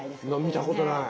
見たことない。